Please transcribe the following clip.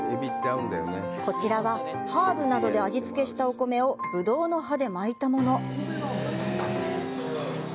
こちらはハーブなどで味付けしたお米をブドウの葉で巻いたもの。